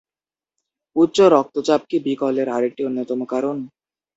উচ্চ রক্তচাপ কি বিকলের আরেকটি অন্যতম কারণ?